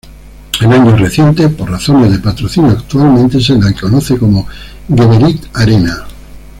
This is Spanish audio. En años recientes, por razones de patrocinio actualmente se le conoce como Geberit-Arena.